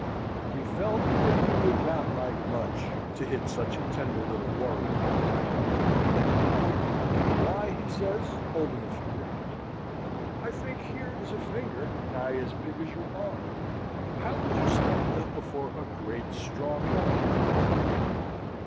He felt that he would not like much to hit such a tender little warrior as that. "Why," says he, holding a finger out, "I think here is a finger nigh as big as your arm. How would you stand up before a great, strong man?